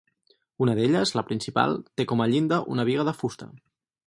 Una d'elles, la principal, té com a llinda una biga de fusta.